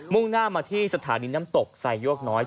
่งหน้ามาที่สถานีน้ำตกไซโยกน้อย